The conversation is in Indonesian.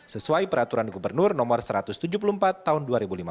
sesuai peraturan gubernur no satu ratus tujuh puluh empat tahun dua ribu lima belas